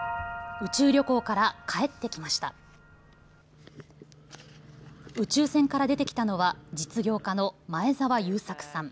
宇宙船から出てきたのは実業家の前澤友作さん。